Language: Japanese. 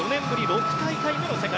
６大会目の世界